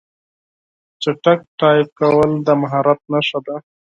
چټک ټایپ کول د مهارت نښه ده.